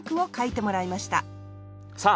さあ